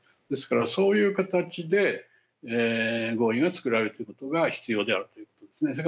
ですから、そういう形で合意が作られるということが必要であるということですね。